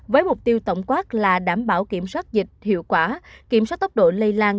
với mục tiêu tổng quát là đảm bảo kiểm soát dịch hiệu quả kiểm soát tốc độ lây lan